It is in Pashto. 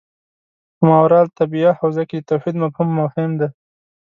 په ماورا الطبیعه حوزه کې د توحید مفهوم مهم دی.